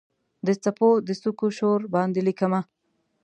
د څپو د څوکو شور باندې لیکمه